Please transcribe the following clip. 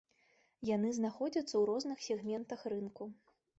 Яны знаходзяцца ў розных сегментах рынку.